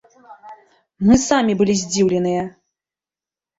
Мы самі былі здзіўленыя!